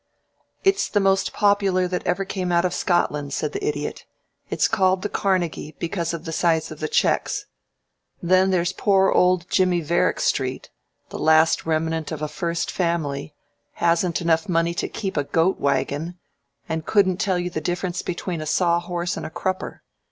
"It's the most popular that ever came out of Scotland," said the Idiot. "It's called the Carnegie because of the size of the checks. Then there's poor old Jimmie Varickstreet the last remnant of a first family hasn't enough money to keep a goat wagon, and couldn't tell you the difference between a saw horse and a crupper.